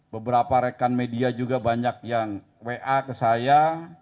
beberapa rekan media juga banyak yang wa ke saya